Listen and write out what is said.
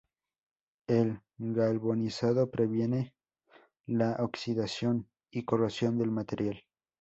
El galvanizado previene la oxidación y corrosión del material.